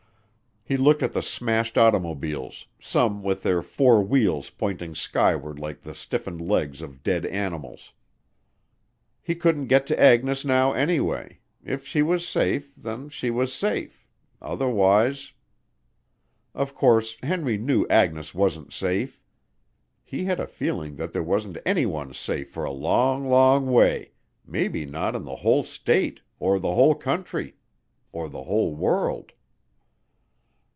He looked at the smashed automobiles, some with their four wheels pointing skyward like the stiffened legs of dead animals. He couldn't get to Agnes now anyway, if she was safe, then, she was safe, otherwise ... of course, Henry knew Agnes wasn't safe. He had a feeling that there wasn't anyone safe for a long, long way, maybe not in the whole state or the whole country, or the whole world.